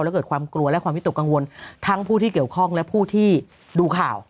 และเกิดความกลัวและความวิตกกังวลทั้งผู้ที่เกี่ยวข้องและผู้ที่ดูข่าว